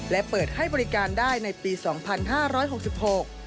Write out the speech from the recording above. และเปิดให้บริการได้ในปีสองพันห้าร้อยหกสิบหก